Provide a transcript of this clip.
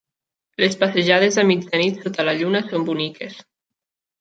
Les passejades a mitjanit sota la lluna són boniques.